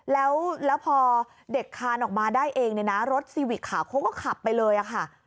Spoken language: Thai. แล้วแล้วพอเด็กคล้านออกมาได้เองนะรถซีวิกขาวเขาก็ขับไปเลยอ่ะค่ะ